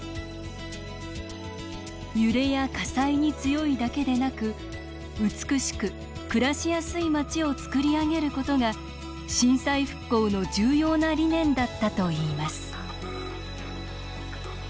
揺れや火災に強いだけでなく美しく暮らしやすい街をつくり上げることが震災復興の重要な理念だったといいます。